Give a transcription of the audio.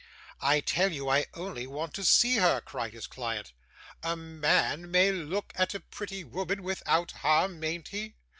'I tell you I only want to see her,' cried his client. 'A ma an may look at a pretty woman without harm, mayn't he?